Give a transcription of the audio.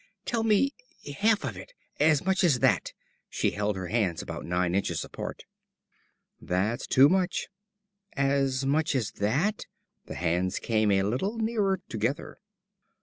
"Tell me half of it. As much as that." She held her hands about nine inches apart. "That's too much." "As much as that." The hands came a little nearer together.